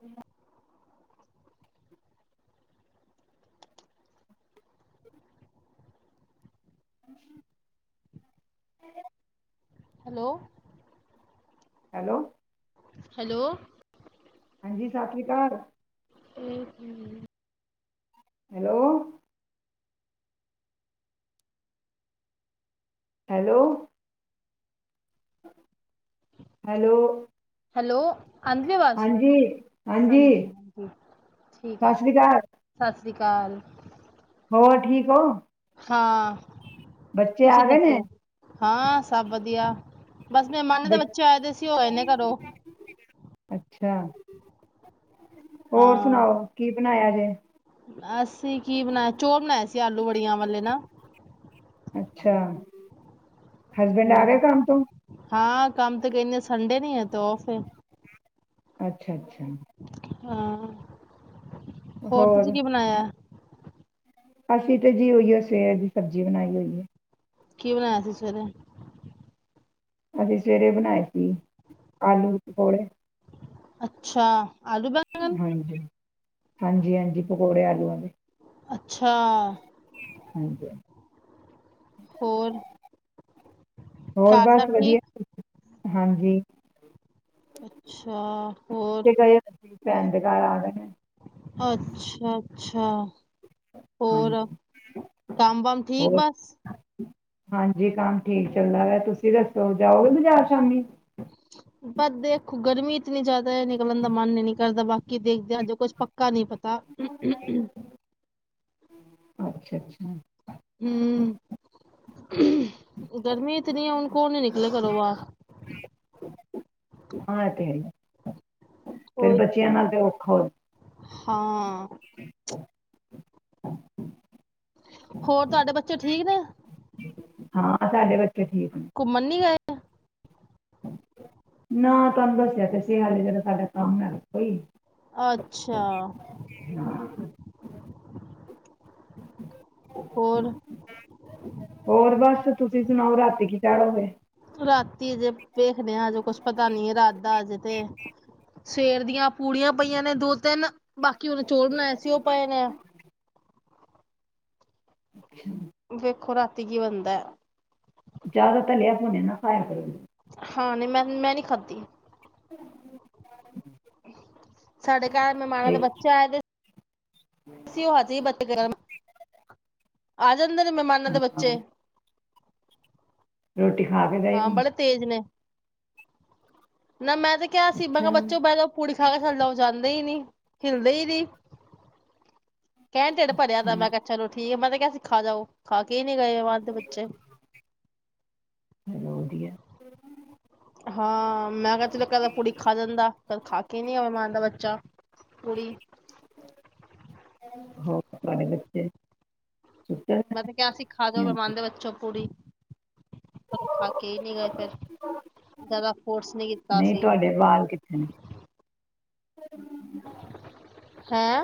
ਹ [inaudible] ਹਾਂਜੀ [inaudible] hello hello hello ਹਾਂਜੀ ਸਤਿ ਸ਼੍ਰੀ ਅਕਾਲ ਇੱਕ [unintelligible] ਹੈਲੋ। ਹੈਲੋ। ਹੈਲੋ। ਹੈਲੋ ਆਂਦੀ ਅਵਾਜ ਹਾਂਜੀ ਹਾਂ ਠੀਕ ਸਤਿ ਹੈ ਸ਼੍ਰੀ ਅਕਾਲ ਸਤਿ ਸ਼੍ਰੀ ਕਾਲ। ਹੋਰ ਠੀਕ ਹੋ। ਹਾਂ। ਬੱਚੇ ਤੁਸੀਂ ਆ ਗਏ ਨੇ ਦੱਸੋ ਹਾਂ ਸਭ ਵਧੀਆ ਬਸ ਮਹਿਮਾਨਾਂ ਦੇ ਬ ਬੱਚੇ ਆਏ ਦੇ ਸੀ, ਉਹ ਗਏ ਨੇ ਘਰੋਂ। ਅੱਛਾ। ਹੋਰ ਸੁਣਾਓ ਕੀ ਬਣਾਇਆ ਜੇ। ਅਸ ਅਸੀਂ ਕੀ ਬਣਾਇਆ ਚੋਲ ਬਣਾਏ ਸੀ ਆਲੂ ਬੜੀਆਂ ਵਾਲੇ ਨਾ। ਅੱਛਾ ਹਸਬੈਂਡ ਆ ਹਮ ਗਏ ਕੰਮ ਤੋਂ। ਹਾਂ ਕੰਮ ਤੇ ਗਏ ਨੀ ਸੰਡੇ ਨਹੀ ਏ ਤੇ ਔਫ ਏ। ਅੱਛਾ-ਅੱਛਾ। [inaudible] ਹਾਂ। ਹੋਰ ਤੁਸੀਂ ਕੀ ਬਣਾਇਆ। ਅਸੀਂ ਤੇ ਜੀ ਉਹੀਓ ਸਵੇਰ ਦੀ ਸਬਜ਼ੀ ਬਣਾਈ ਹੋਈਏ। ਕੀ ਬਾਣਿਆਂ ਸੀ ਸਵੇਰੇ। ਅਸੀਂ ਸਵੇਰੇ ਬਣਾਏ ਸੀ, ਆਲੂ ਪਕੌੜੇ। ਅੱਛਾ। ਆਲੂ ਬੈਂਗਨ। ਹਾਂਜੀ-ਹਾਂਜੀ, ਪਕੌੜੇ ਆਲੂਆਂ ਦੇ। ਅੱਛਾ। [unintelligible] ਹੋਰ ਹੋਰ ਘਰ ਸਭ ਬਸ ਵਧੀਆ ਠੀਕ। ਹਾਂਜੀ। ਅੱਛਾ ਤੇ ਹੋਰ ਗਏ ਭੈਣ ਦੇ ਘਰ ਆ ਗਏ ਨੇ। ਅੱਛਾ-ਅੱਛਾ। ਹੋਰ ਹਾਂਜੀ ਕੰਮ ਬਮ ਠੀਕ ਹੋਰ ਬਸ। ਹਾਂਜੀ ਕੰਮ ਠੀਕ ਚੱਲਦਾ ਵਾ ਤੁਸੀਂ ਦੱਸੋ ਜਾਓ ਗੇ ਬਾਜ਼ਾਰ ਸ਼ਾਮੀ। ਪਰ ਦੇਖੋ ਗਰਮੀ ਇਤਨੀ ਜ਼ਿਆਦਾ ਨਿਕਲਣ ਦਾ ਮਨ ਇ ਨੀ ਕਰਦਾ ਬਾਕ ਕਿ ਦੇਖਦੇ ਹਜੇ ਕੁੱਛ ਪੱਕ ਕਾ ਨਹੀਂ ਪਤਾ। ਅੱਛਾ-ਅੱਛਾ। ਹਮ ਗਰਮੀ ਇਤਨੀ ਆ ਹੁਣ ਕੌਣ ਨੀ ਨਿਕਲ ਘਰੋਂ ਬਾਹਰ। ਹਾਂ ਇਹ ਤੇ ਹੈ ਹੀ ਏ। ਫੇਰ ਕੋਈ ਬੱਚਿਆਂ ਨਾਲ ਤੇ ਹੋਰ ਹਾਂ। [inaudible] ਹੋਰ ਤੁਹਾਡੇ ਬੱਚੇ ਠੀਕ ਨੇ ਹਾਂ ਸਾਡੇ ਬੱਚੇ ਤੇ ਠੀਕ ਨੇ ਘੁੰਮਣ ਨੀ ਗਏ ਨਾ ਤੁਹਾਨੂੰ ਦੱਸਿਆ ਤੇ ਸਿਗਾ ਜਿੜਾ ਸਾਡਾ ਕੰਮ ਹੈਗਾ ਕੋਈ ਅੱਛਾ। ਹੋਰ ਹੋਰ ਬਸ ਤੁਸੀਂ ਸੁਣਾਓ ਰਾਤੀ ਕੀ ਚਾਡੋ ਗੇ ਰਾਤੀ ਹਜੇ ਵੇਖਦੇ ਆ ਹਜੇ ਕੁਛ ਪਤਾ ਨੀ ਏ ਰਾਤ ਦਾ ਹਜੇ ਤੇ ਸਵੇਰ ਦੀਆਂ ਪੂੜੀਆਂ ਪਈਆਂ ਨੇ ਦੋ ਤਿੰਨ ਬਾਕੀ ਹੁਣੇ ਚੋਲ ਬਣਾਏ ਸੀ ਉਹ ਪਏ ਨੇ [unintelligible] ਵੇਖੋ ਰਾਤੀ ਕੀ ਬਣਦਾ ਜ਼ਿਆਦਾ ਤਾਂ ਲਿਆ ਪਾਨੇ ਨਾ ਪਾਇਆ ਕਰੋ ਹਾਂ ਨਹੀਂ ਮੈਂ ਮੈਂ ਨੀ ਖਾਧੀ [unintelligible] ਸਾਡੇ ਘਰ ਮਹਿਮਾਨਾਂ ਤੇ ਦੇ ਬੱਚੇ ਆਏ ਦੇ ਤੁਸੀਂ ਓ ਹਜੀ ਬਦਗਰਮ ਅ ਜਾਂਦੇ ਨੇ ਮਹਿਮਾਨਾਂ ਦੇ ਬੱਚੇ ਹਾਂ ਰੋਟੀ ਖਾ ਕੇ ਗਏ ਹਾਂ ਹੁਣ ਬੜੇ ਤੇਜ਼ ਨੇ ਨਾ ਮੈਂ ਤੇ ਕਿਹਾ ਸੀ ਮੈਂ ਕਿਹਾ ਅੱਛਾ ਬੱਚੋਂ ਬਹਿ ਜਾਉ ਪੂੜ ਖਾ ਕੇ ਚੱਲੇ ਉਹ ਜਾਂਦੇ ਹੀ ਨੀ ਹਿਲ ਦੇ ਈ ਨੀ ਕਹਿਣ ਤੇਡ ਭਰਿਆ ਦਾ ਅੱਛਾ ਮੈਂ ਕਿਹਾ ਅੱਛਾ ਚਲੋ ਠੀਕ ਮਤ ਸੀ ਖਾ ਜਾਓ ਖਾ ਕੇ ਕਿ ਨੀ ਗਏ ਵਅਦ ਦੇ ਬੱਚੇ ਚਲੋ ਵਧੀਆ ਹਾਂ। ਮੈਂ ਕਿਹਾ ਚਲੋ ਇੱਕ ਅੱਧਾ ਪੁੜੀ ਖਾ ਜਾਂਦਾ ਕਦੇ ਖਾ ਕੇ ਨੀ ਆਵੇ ਮਨ ਦਾ ਬੱਚਾ ਪੁੜੀ ਹੋਰ ਤੁਹਾਡੇ ਬੱਚੇ ਸੁੱਤੇ ਮੈਂ ਹੋਏ ਤੇ ਕਿਆ ਸੀਂ ਖਾਜੋ ਨੇ? ਮਿਹਮਾਨ ਦੇ ਬੱਚੋਂ ਪੂਰੀ ਖਾ ਕੇ ਹੀ ਨਹੀਂ ਗਏ ਫੇਰ ਜਿਆਦਾ ਫੋਰਸ ਨੀ ਕੀਤਾ ਨਹੀਂ ਅਸੀਂ ਤੁਹਾਡੇ ਬਾਲ ਕਿੱਥੇ ਨੇ ਹੈਂ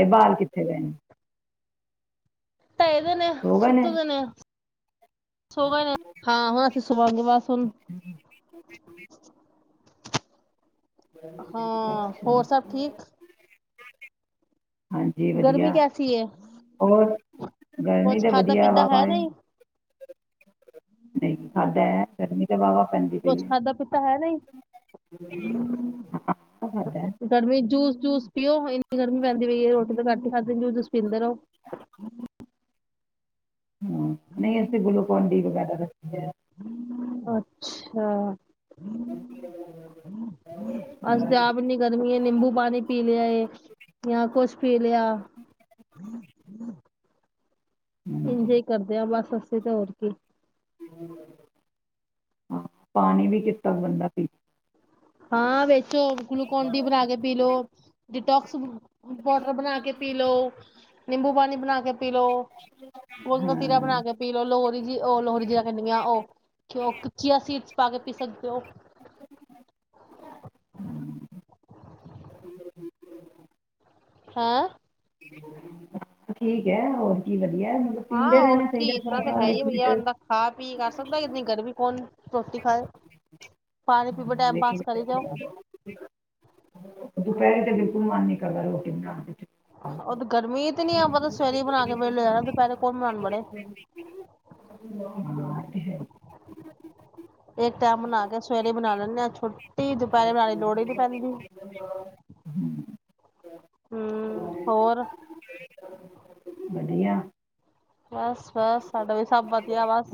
ਏ ਬਾਹਰ ਕਿੱਥੇ ਗਏ ਨ। ਪਏ ਦੇ ਨੇ, ਸੋ ਗਏ ਸੁਤੇ ਦੇ ਨੇ। ਸੋ ਗਏ ਨੇ, ਹਾਂ ਹੁਣ ਅਸੀਂ ਸੁਬਹ ਸੁਣਾਂਗੇ ਆਵਾਜ਼ ਹੁਣ। ਹਾਂ, ਅੱਛਾ ਹੋਰ ਸਭ ਠੀਕ। ਹਾਂਜੀ ਗਰਮੀ ਵਧੀਆ, ਕੈਸੀ ਹੈ ਹੋਰ ਗਰਮੀ ਕੁਛ ਤਾਂ ਖਾਧਾ ਵਧੀਆ ਪੀਤਾ ਵਾ ਹੈ ਪਾਏ ਨਹੀਂ ਨਹੀਂ ਖਾਡ ਖਾਦਾ ਹੈ, ਗਰਮੀ ਤੇ ਵਾਵਾ ਪੈਂਦੀ ਪਈ ਕੁਛ ਐ। ਖਾਧਾ ਪੀਤਾ ਹੈ ਨਹੀਂ ਗਰਮੀ ਜੂਸ ਜੂਸ ਪੀਓ ਇੰਨੀ ਗਰਮੀ ਪੈਂਦੀ ਪਈ ਏ, ਰੋਟੀ ਤੇ ਘੱਟ ਹੀ ਖਾਦੇ, ਜੂਸ ਪੀਂਦੇ ਰਹੋ। ਹੂ, ਨਹੀਂ ਅਸੀਂ ਤੇ ਗੁਲੂਕੋਨ ਡੀ ਵਗੈਰਾ ਦਾ ਜੈ ਅੱਛਾ ਅਸੀ ਤਾਂ ਆਪ ਵੀ ਇੰਨੀ ਗਰਮੀ ਏ, ਨਿੰਬੂ ਪਾਣੀ ਪੀ ਲਿਆ ਏ, ਜਾਂ ਕੁਛ ਪੀ ਲਿਆ। ਹਾਂਜੀ ਇੰਜੋ ਈ ਕਰਦੇ ਆ ਬਸ। ਇਧਾ ਹੋਰ ਕੀ। ਪਾਣੀ ਵੀ ਕੀਤਨਾ ਬੰਦਾ ਪੀ ਹਾਂ ਵਿੱਚ ਤੇ ਹੋਰ, ਗਲੂਕੋਨ ਡੀ ਬਣਾ ਕੇ ਪੀ ਲੋ। ਟੋਕਸ ਬੁੱਕ ਵਾਟਰ ਬਣਾ ਕੇ ਪੀ ਲੋ। ਨਿੰਬੂ ਪਾਣੀ ਬਣਾ ਕੇ ਪੀ ਲੋ, ਗੋਂਦ ਕਤੀਰਾ ਹਾਂ ਬਣਾ ਕੇ ਪੀ ਲੋ, ਲੋਹਰੀ ਜੀ ਉਹ ਲੋਹਰੀ ਜੀਰਾ ਕਹਿੰਦੀ ਪਇ ਆਂ, ਔਹ ਚਿਆ ਸੀਡਸ ਪਾ ਕੇ ਪੀ ਸਕਦੇ ਹੋ, ਪਾ ਹਮ [inaudible] ਹੈਂ ਠੀਕ ਹੈ, ਹੋਰ ਕੀ ਲ ਹਾਂ ਹੋਰ ਕੀ ਇਸ ਤਰ੍ਹਾਂ ਤਾਂ ਹੈ ਹੀ ਵਈਆ ਲਿਕੁਇਡ ਬੰਦਾ, ਖਾ ਪੀ ਕਰ ਸਕਦਾ ਇਤਨੀ ਗਰਮੀ ਕੌਣ ਰੋਟੀ ਖਾਔ, ਪਾਣੀ ਪੀ ਪੀ ਟਾਇਮ ਪਾਸ ਕਰੀ ਜਾਓ। ਲਿਕੁਇਡ ਦੁਪਹਿਰੇ ਬਿਲਕੁਲ ਮਨ ਨੀ ਕਰਦਾ ਰੋਟੀ ਬਣਾਂਨ ਤੇ। ਔ ਤੇ ਗਰਮੀ ਇਤਨੀ ਐ, ਆਪਾਂ ਤਾ ਸਵੇਰੇ ਹੀ ਬਣਾ ਕੇ ਵੇਲੇ ਹੋ ਜਾਏ, ਦੁਪਹਿਰੇ ਕੌਣ ਬਣਾਉਣ ਵੜੇ। ਹਾਂ, ਇਹ ਤੇ ਹੈ। ਇੱਕ ਟਾਇਮ ਬਣਾ ਕੇ, ਸਵੇਰੇ ਈ ਬਣਾ ਲੈਂਦੇ ਆ ਅਸੀ ਤੇ। ਹੁਣ [unintelligible] ਹਮ ਹੋਰ ਵਧੀਆ ਬਸ ਬਸ ਸਾਡਾ ਵੀ ਸਭ ਵਧੀਆ ਬਸ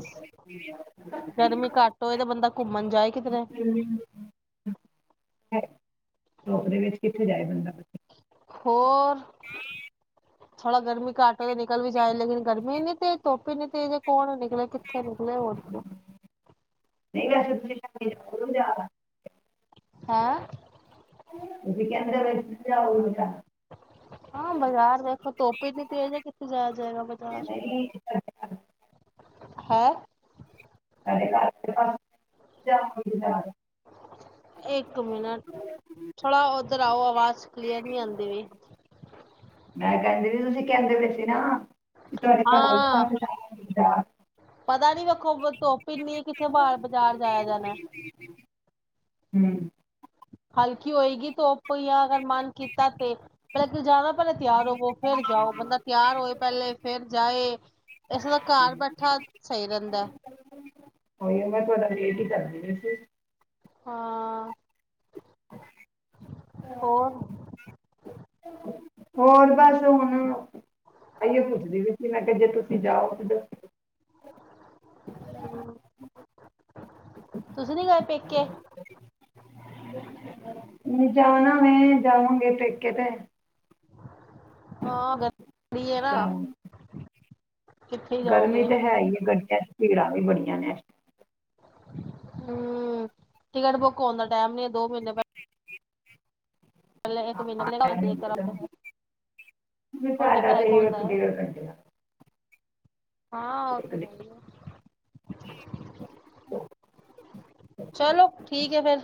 ਗਰਮੀ ਘੱਟ ਹੋਏ ਤੇ ਬੰਦਾ ਘੁੰਮਣ ਜਾਏ ਕਿਧਰੇ ਧੁੱਪ ਦੇ ਵਿੱਚ ਕਿੱਥੇ ਜਾਏ ਬੰਦਾ? ਹੋਰ ਹਮਮ। ਥੋੜਾ ਗਰਮੀ ਘਾਟ ਨਿਕਲ ਵੀ ਜਾਏ ਲੇਕਿਨ ਗਰਮੀ ਏਨੀ ਤੇਜ਼ ਧੁੱਪ ਏਨੀ ਤੇਜ਼ ਏ ਕੌਣ ਮੈਂ ਕਿੱਥੇ ਲਿਖਣਾ ਹੈ ਜਾ ਹੈਂ ਇਹ ਵੀ ਕਿਿੰ ਵ ਜਾ ਉ ਹਾਂ ਬਾਜ਼ਾਰ ਦੇਖੋ ਧੁੱਪ ਏਨੀ ਤੇਜ ਹੈ। ਕਿੱਥੇ ਜਾਇਆ ਜਾਏਗਾ ਬਜ਼ਾਰ? ਨਹੀਂ ਸਾਡੇ ਹੈਂ ਸਾਡੇ ਘਰ ਪਾਸ ਜਾ ਇੱਕ ਮਿੰਟ ਥੋੜਾ ਔਰ ਉਧਰ ਆਓ ਆਵਾਜ਼ ਕਲੀਅਰ ਨਹੀਂ ਆਂਦੀ ਪਈ। ਮੈਂ ਕਹਿੰਦੀ ਵੀ ਤੁਸੀਂ ਕਹਿੰਦੇ ਪਏ ਸੀ ਨਾ। ਕਿ ਤੁਹਾਡੇ ਘਰ ਦੇ ਹਾਂ। ਪਾਸ ਜਾਓ ਬੇਟਾ ਪਤਾ ਨੀ ਵੇਖੋ ਧੁੱਪ ਇੰਨੀ ਕਿੱਥੇ ਬਅਰ ਬਾਜ਼ਾਰ ਜਾਇਆ ਜਾਣਾ। ਹਮਮ ਹਲਕੀ ਹੋਏਗੀ ਤੋ ਕੋਈ ਮਨ ਕੀਤਾ ਤੇ [unintelligible] ਜਿਆਦਾ ਪੇਲਾ ਤਿਆਰ ਹੋਵੋ ਫਿਰ ਜਾਓ, ਬੰਦਾ ਤਿਆਰ ਹੋਏ ਪਹਿਲੇ, ਫਿਰ ਜਾਏ। ਇਸਦਾ ਘਰ ਬੈਠਾ ਸਹੀ ਰਹਿੰਦਾ। ਹੋਣੇ ਮੈਂ ਤੁਹਾਡਾ ਵਾਇਟ ਹੀ ਕਰਦੀ ਪਈ ਸੀ। ਹਾਂ ਹ [unintelligible] ਹੋਰ ਹੋਰ ਬਸ ਹੁਣ ਆਇਯੋ ਪੁੱਛਦੀ ਪਈ ਸੀ ਕਿ ਮੈਂ ਜੇ ਤੁਸੀਂ ਜਾਓ ਤੇ ਤੁਸੀ ਨੀਂ ਗਏ ਪੇਕੇ? ਨਹੀਂ, ਜਾਣਾ ਮੈਂ ਜਾਵਾਂਗੀ ਪੇਕੇ ਤੇ। ਹਾਂ ਗ [unintelligible] ਅੜਰਾ ਜਾਵਾਂ ਗਰਮੀ ਤਾਂ ਹੈ ਹੀ ਹੈ ਗੰਡਿਆ। ਭੀੜਾਂ ਤੇ ਬੜੀਆਂ ਨੇ। ਹਮਮ, ਟਿਕਟ ਬੁੱਕ ਹੋਣ ਦਾ ਟਾਈਮ ਨੀ ਹੈ ਦੋ ਮਹੀਨੇ ਤਕ। ਪਹਿਲੇ ਕਰਾਂਗੇ, ਈ ਓਡੇ ਪੈਸੇ ਕੌਣ ਦਏ ਵ ਹਾਂ, ਚਲੋ ਠੀਕ ਹੈ ਫਿਰ।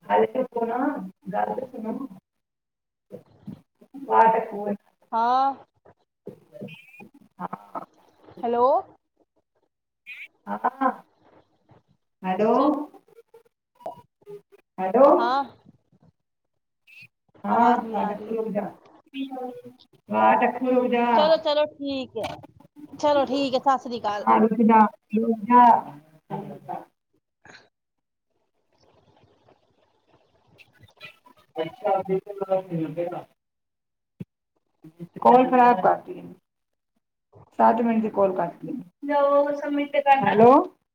[unintelligible] ਹਾਂ ਹਾਂ ਹੈਲੋ ਹਾਂ ਹੈਲੋ, ਹੈਲੋ। ਹਾਂ ਆਵਾਜ਼ ਨਹੀਂ ਆ ਰਹੀ ਹਾਂ, ਚਲੋ ਚਲੋ [unintelligible] ਠੀਕ ਹੈ ਚਲੋ ਠੀਕ ਹੈ ਸਤਿ ਸ੍ਰੀ ਅਕਾਲ ਇਹ [unintelligible] ਹ [unintelligible] ਅੱਛਾ [unintelligible] ਕਾਲ ਖਰਾਬ ਕਰਤੀ। ਸੱਤ ਮਿੰਟ ਕਾਲ ਕਟਤੀ। ਹੈਲੋ,